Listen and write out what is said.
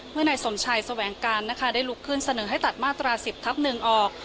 เมื่อในสวนชายแสวงกานได้รูกขึ้นเสนอให้ตัดมาตรา๑๐ทัฒนึงออก